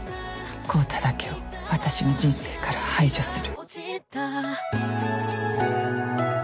昂太だけを私の人生から排除する。